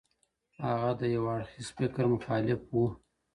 هغه د يو اړخيز فکر مخالف و.